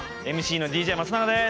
ＭＣのＤＪ松永です。